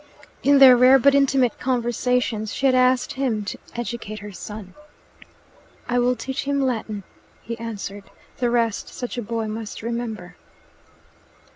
In their rare but intimate conversations she had asked him to educate her son. "I will teach him Latin," he answered. "The rest such a boy must remember."